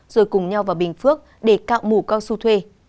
rồi cùng nhau vào bình phước để cạo mũ cao su thuê